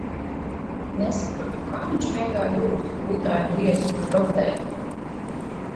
Nesaprotu, kā viņš miegā jūt, ka gultā ir vieta, kur rotēt.